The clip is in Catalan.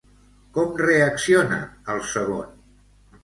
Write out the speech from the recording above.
Com reacciona, el segon?